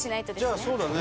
じゃあそうだね。